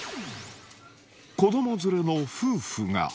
子ども連れの夫婦が。